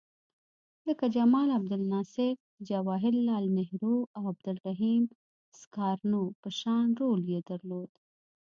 لکه جمال عبدالناصر، جواهر لعل نهرو او عبدالرحیم سکارنو په شان رول یې درلود.